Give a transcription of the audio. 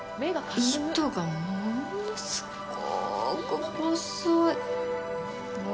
糸がものすごく細い。